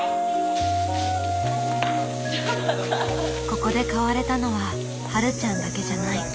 ここで変われたのははるちゃんだけじゃない。